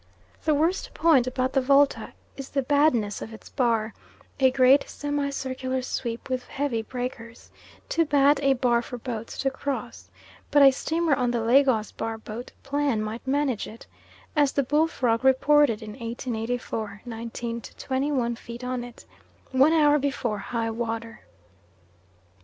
The worst point about the Volta is the badness of its bar a great semicircular sweep with heavy breakers too bad a bar for boats to cross; but a steamer on the Lagos bar boat plan might manage it, as the Bull Frog reported in 1884 nineteen to twenty one feet on it, one hour before high water.